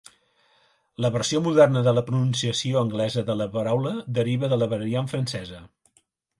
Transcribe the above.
La versió moderna de la pronunciació anglesa de la paraula deriva de la variant francesa.